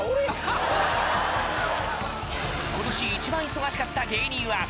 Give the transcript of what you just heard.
今年一番忙しかった芸人は？